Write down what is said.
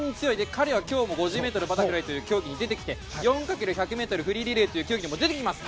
彼は今日も５０ｍバタフライという競技に出てきて４×１００ｍフリーリレーにも出ます。